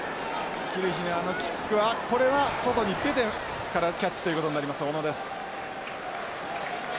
キルヒナーのキックはこれは外に出てからキャッチということになります小野です。